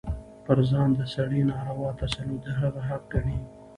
پر ځان د سړي ناروا تسلط د هغه حق ګڼي.